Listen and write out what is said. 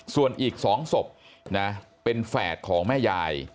ส่วนอีก๒ศพนะเป็นแฝดของแม่ยาย